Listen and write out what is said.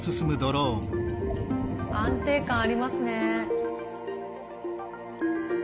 安定感ありますね。